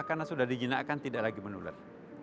karena sudah di jinakkan tidak lagi menular